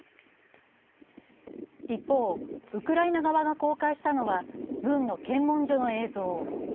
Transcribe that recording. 一方、ウクライナ側が公開したのは軍の検問所の映像。